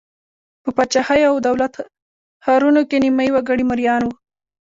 په پاچاهیو او دولت ښارونو کې نیمايي وګړي مریان وو.